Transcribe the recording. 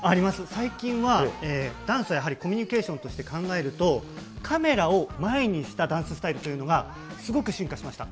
最近は、ダンスはやはりコミュニケーションとして考えると、カメラを前にしたダンススタイルというのが、すごく進化しました。